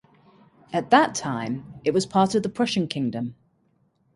At that time, it was part of the Prussian Kingdom.